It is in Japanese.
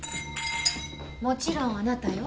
もちろんあなたよ。